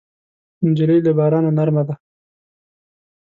نجلۍ له بارانه نرمه ده.